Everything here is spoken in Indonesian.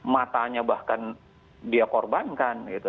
matanya bahkan dia korbankan